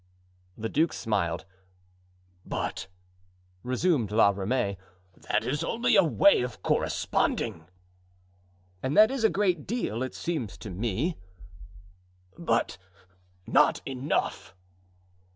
The duke smiled. "But," resumed La Ramee, "that is only a way of corresponding." "And that is a great deal, it seems to me." "But not enough."